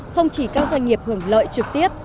không chỉ các doanh nghiệp hưởng lợi trực tiếp